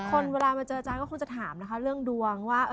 คนเวลามาเจออาจารย์ก็คงจะถามนะคะเรื่องดวงว่า